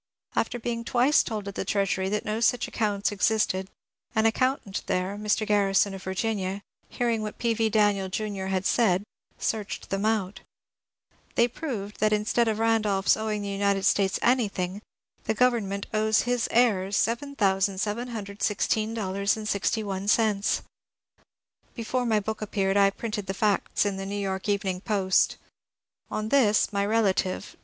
After being twice told at the Treasury that no such accounts ex isted, an accountant there, Mr. Grarrison of Virginia, hearing what P. v. Daniel Jr. had said, searched them out. They proved that instead of Randolph's owing the United States anything, the government owes his heirs $7,716.61. Before my book appeared I printed the facts in the " New York Evening Post." On this my relative.